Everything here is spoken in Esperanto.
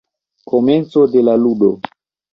Komenco de la ludo.